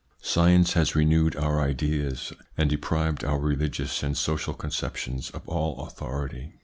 Science has renewed our ideas, and deprived our religious and social conceptions of all authority.